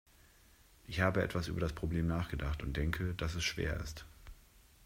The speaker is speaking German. Ich habe etwas über das Problem nachgedacht und denke, dass es schwer ist.